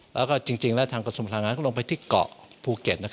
แล้วก็จริงแล้วทางกระทรวงพลังงานก็ลงไปที่เกาะภูเก็ต